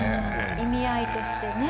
意味合いとしてね。